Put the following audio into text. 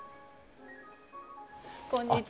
こんにちは。